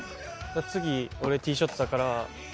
次俺ティーショットだから。